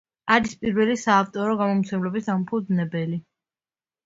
არის პირველი საავტორო გამომცემლობის დამფუძნებელი.